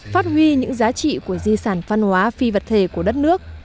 phát huy những giá trị của di sản văn hóa phi vật thể của đất nước